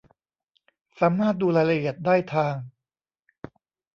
สามารถดูรายละเอียดได้ทาง